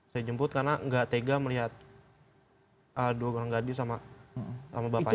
saya jemput karena nggak tega melihat dua orang gadis sama bapaknya